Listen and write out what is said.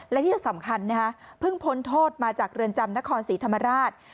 และที่สำคัญนะฮะเพิ่งพ้นโทษมาจากเรือนจำนครศรีธรรมราช